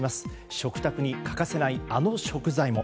食卓に欠かせないあの食材も。